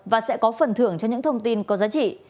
và sẽ có phần thưởng cho những thông tin có giá trị